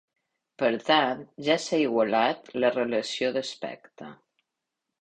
Per tant, ja s’ha igualat la relació d'aspecte.